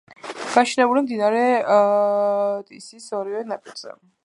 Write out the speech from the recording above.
გაშენებულია მდინარე ტისის ორივე ნაპირზე.